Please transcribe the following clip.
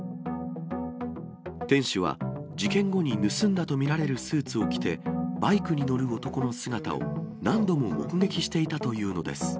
店主は事件後に盗んだと見られるスーツを着て、バイクに乗る男の姿を何度も目撃していたというのです。